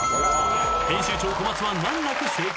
［編集長小松は難なく正解］